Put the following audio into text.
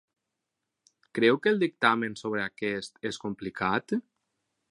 Creu que el dictamen sobre aquest és complicat?